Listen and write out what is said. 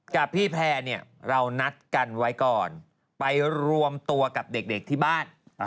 กับพี่แพร่เนี่ยเรานัดกันไว้ก่อนไปรวมตัวกับเด็กที่บ้าน